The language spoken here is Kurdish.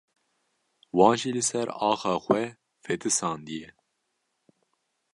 wan jî li ser axa xwe fetisandiye